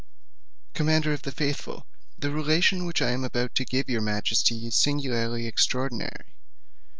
Commander of the faithful, the relation which I am about to give your majesty is singularly extraordinary.